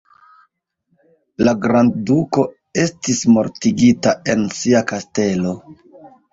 La grandduko estis mortigita en sia kastelo.